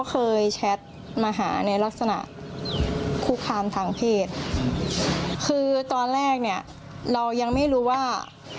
แชทมาหาในลักษณะคุกคามทางเพศคือตอนแรกเนี่ยเรายังไม่รู้ว่า